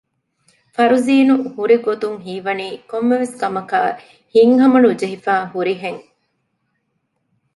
ފަރުޒީނު ހުރިގޮތުން ހީވަނީ ކޮންމެވެސް ކަމަކާއި ހިތްހަމަ ނުޖެހިފައި ހުރިހެން